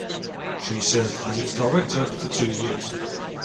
She served as its director for two years.